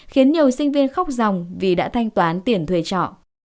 khiến nhiều sinh viên khóc dòng vì đã thanh toán tiền thuê trọ